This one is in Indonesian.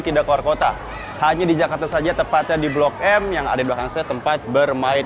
tidak keluar kota hanya di jakarta saja tepatnya di blok m yang ada di belakang saya tempat bermain